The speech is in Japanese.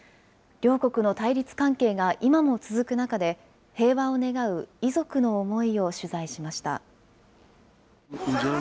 両国の対立関係が今も続く中で、平和を願う遺族の思いを取材しました。